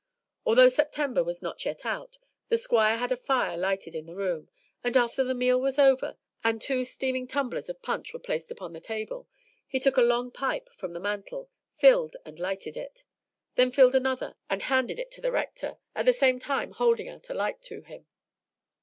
Although September was not yet out, the Squire had a fire lighted in the room, and after the meal was over, and two steaming tumblers of punch were placed upon the table, he took a long pipe from the mantel, filled and lighted it, then filled another, and handed it to the Rector, at the same time holding out a light to him.